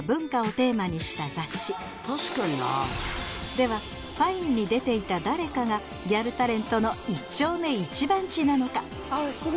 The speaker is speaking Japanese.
では「Ｆｉｎｅ」に出ていた誰かがギャルタレントの一丁目一番地なのか？